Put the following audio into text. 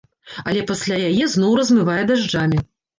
Але пасля яе зноў размывае дажджамі.